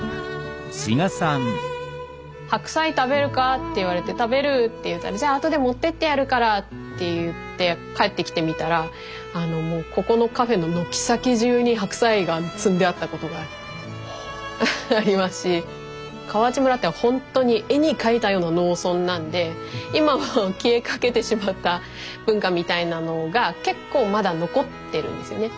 白菜食べるかって言われて食べるって言うたらじゃあ後で持ってってやるからって言って帰ってきて見たらここのカフェの軒先じゅうに白菜が積んであったことがありますし川内村ってほんとに絵に描いたような農村なんで今は消えかけてしまった文化みたいなのが結構まだ残ってるんですよね。